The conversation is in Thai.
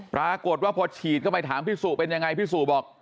ปรากฏว่าพอฉีดเข้าไปถามพี่สุเป็นยังไงพี่สู่บอก